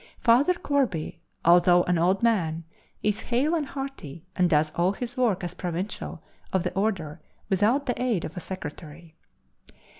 Father Corby, although an old man, is hale and hearty, and does all his work as provincial of the order without the aid of a secretary.